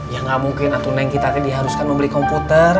ya nggak mungkin atau neng kita haruskan membeli komputer